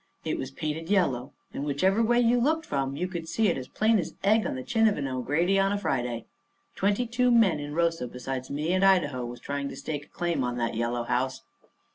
It was painted yellow, and whichever way you looked from you could see it as plain as egg on the chin of an O'Grady on a Friday. Twenty two men in Rosa besides me and Idaho was trying to stake a claim on that yellow house.